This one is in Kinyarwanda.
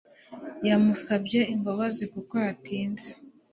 yamusabye imbabazi kuko yatinze